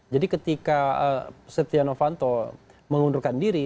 jadi ketika setia novanto mengundurkan diri